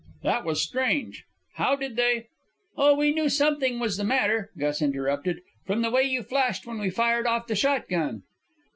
That was strange! How did they "Oh, we knew something was the matter," Gus interrupted, "from the way you flashed when we fired off the shotgun."